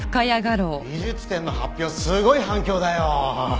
美術展の発表すごい反響だよ。